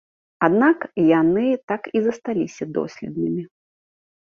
Аднак яны так і засталіся доследнымі.